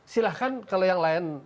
silahkan kalau yang lain